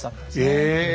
え！